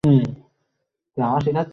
সম্মান দেবেন না আমায়।